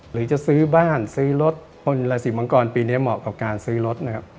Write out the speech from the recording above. หรือจะซื้อบ้านซื้อรถคนราศีมังกรปีนี้เหมาะกับการซื้อรถนะครับ